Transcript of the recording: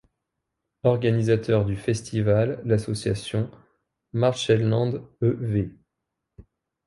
Organisateur du festival, l'association Märchenland e.V.